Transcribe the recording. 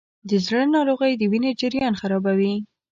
د زړه ناروغۍ د وینې جریان خرابوي.